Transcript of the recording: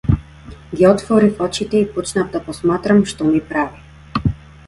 Ги отворив очите и почнав да посматрам што ми прави.